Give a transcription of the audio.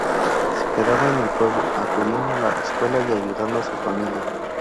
Se quedaba en el pueblo, acudiendo a la escuela y ayudando a su familia.